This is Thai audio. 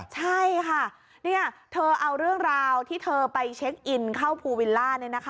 ใช่ค่ะเธอเอาเรื่องราวที่เธอไปเช็คอินเข้าภูวิลล่า